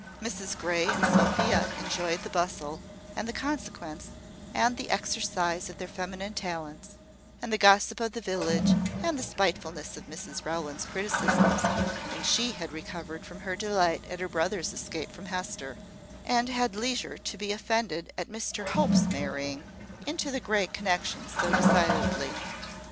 Mrs Grey and Sophia enjoyed the bustle, and the consequence, and the exercise of their feminine talents, and the gossip of the village, and the spitefulness of Mrs Rowland's criticisms, when she had recovered from her delight at her brother's escape from Hester, and had leisure to be offended at Mr Hope's marrying into the Grey connexion so decidedly.